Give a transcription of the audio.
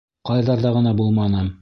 Ҡайҙарҙа ғына булманым!